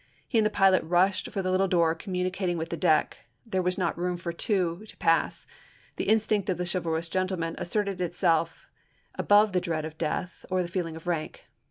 He and the pilot rushed for the little door communi cating with the deck ; there was not room for two to pass. The instinct of the chivalrous gentleman as serted itself above the dread of death or the feel ing of rank.